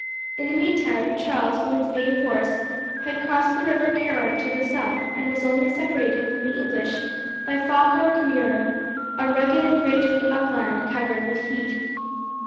In the meantime Charles with his main force had crossed the river Carron to the south and was only separated from the English by Falkirk Muir, a rugged and rigid upland covered with heath.